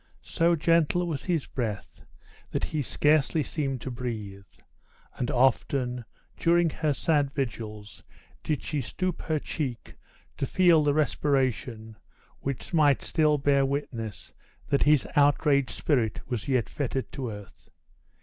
So gentle was his breath, that he scarcely seemed to breathe; and often, during her sad vigils, did she stoop her cheek to feel the respiration which might still bear witness that his outraged spirit was yet fettered to earth.